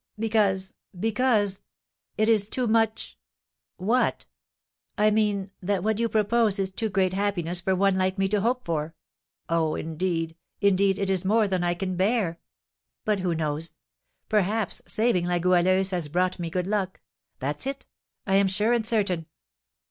"Because because, it is too much " "What?" "I mean that what you propose is too great happiness for one like me to hope for. Oh, indeed, indeed, it is more than I can bear! But who knows? Perhaps saving La Goualeuse has brought me good luck, that's it, I am sure and certain."